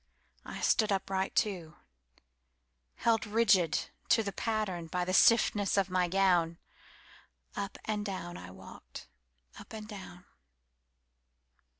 I stood upright too, Held rigid to the patternBy the stiffness of my gown. Up and down I walked, Up and down.